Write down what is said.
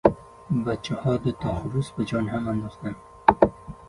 بچهها دو تا خروس را به جان هم انداختند.